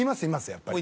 やっぱり。